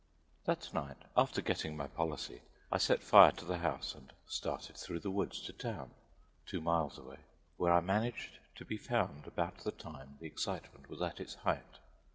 That night, after getting my policy, I set fire to the house and started through the woods to town, two miles away, where I managed to be found about the time the excitement was at its height.